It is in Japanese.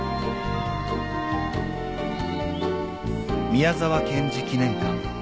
［宮沢賢治記念館］